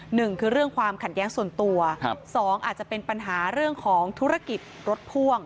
หนึ่งคือเรื่องความขัดแย้งส่วนตัวครับสองอาจจะเป็นปัญหาเรื่องของธุรกิจรถพ่วง